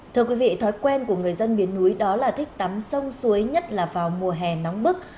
thưa quý vị thói quen của người dân miền núi đó là thích tắm sông suối nhất là vào mùa hè nóng bức